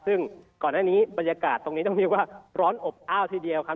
ซึ่งก่อนหน้านี้บรรยากาศตรงนี้ต้องเรียกว่าร้อนอบอ้าวทีเดียวครับ